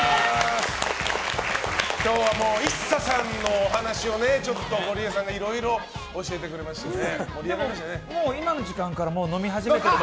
今日はＩＳＳＡさんのお話をゴリエさんがいろいろ教えてくれましたね。